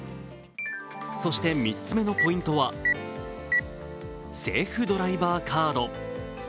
そして３つ目のポイントはセーフドライバーカード。